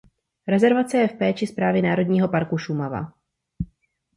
Rezervace je v péči Správy Národního parku Šumava.